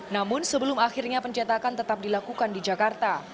namun sebelum akhirnya pencetakan tetap dilakukan di jakarta